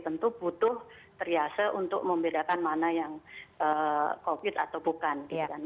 tentu butuh triase untuk membedakan mana yang covid atau bukan gitu kan